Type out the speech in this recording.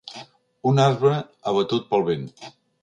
Un arbre abatut pel vent.